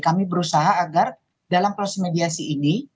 kami berusaha agar dalam proses mediasi ini